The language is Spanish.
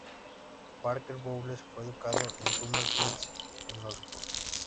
Parker Bowles fue educado en Summer fields en Oxford.